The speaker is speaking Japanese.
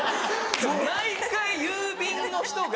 毎回郵便の人が。